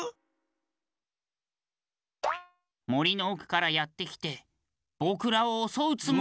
もりのおくからやってきてぼくらをおそうつもりなん。